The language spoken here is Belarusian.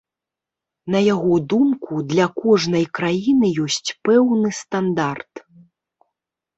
На яго думку, для кожнай краіны ёсць пэўны стандарт.